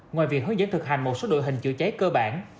ngoài việc hướng dẫn thực hành một số đội hình chữa cháy cơ bản